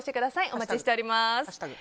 お待ちしております。